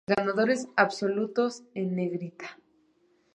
Ganadores absolutos en negrita.